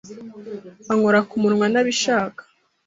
ankora ku munwa ntabishaka